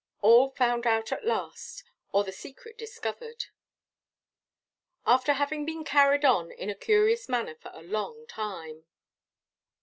ALL FOUND OUT AT LAST, Or the SECRET DISCOVERED, After having been carried on in a curious manner for a long time.